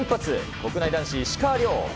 国内男子、石川遼。